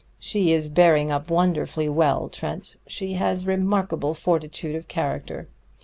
She is bearing up wonderfully well, Trent; she has remarkable fortitude of character.